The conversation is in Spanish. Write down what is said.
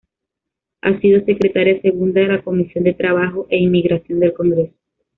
Ha sido secretaria segunda de la Comisión de Trabajo e Inmigración del Congreso.